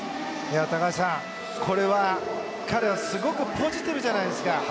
高橋さん、彼はすごくポジティブじゃないですか。